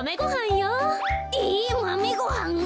えマメごはん？